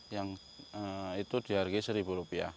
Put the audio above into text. yang itu dihargai rp satu